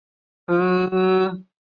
曾获颁中华民国二等景星勋章。